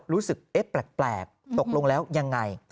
รู้สึกแปลกตกลงแล้วยังไง